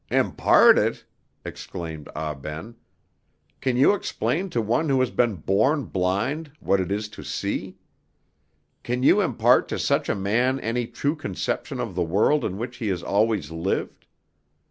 "Impart it!" exclaimed Ah Ben. "Can you explain to one who has been born blind what it is to see? Can you impart to such a man any true conception of the world in which he has always lived?